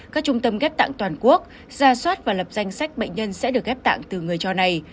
các trung tâm gấp tạng toàn quốc ra soát và lập danh sách bệnh nhân sẽ được gấp tạng từ người cho này